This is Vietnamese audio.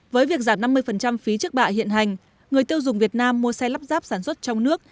với việc giảm năm mươi phí trước bạ hiện hành người tiêu dùng việt nam mua xe lắp ráp sản xuất trong nước